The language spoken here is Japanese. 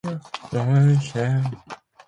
それで会話は終わりだった